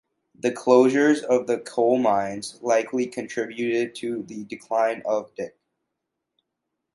The closures of the coal mines likely contributed to the decline of Dick.